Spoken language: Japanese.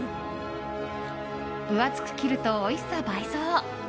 分厚く切ると、おいしさ倍増。